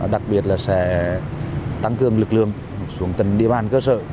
đặc biệt là sẽ tăng cường lực lượng xuống từng địa bàn cơ sở